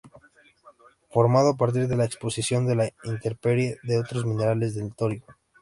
Formado a partir de la exposición a la intemperie de otros minerales del torio.